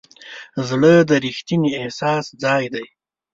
زړه د ریښتیني احساس ځای دی.